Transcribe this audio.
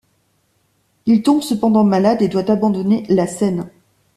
Il tombe cependant malade et doit abandonner la scène.